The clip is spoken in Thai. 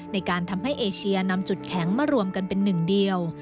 ในการทำให้เอเชียนำจุดแข็งมารวมกันเป็นหนึ่งเดียว